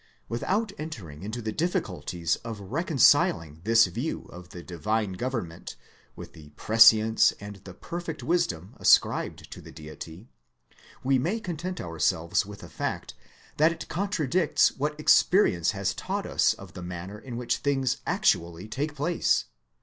Without entering into the difficulties of reconciling this view of the divine government with the pre science and the perfect wisdom ascribed to the Deity, we may content ourselves with the fact that it con tradicts what experience has taught us of the manner in which things actually take place.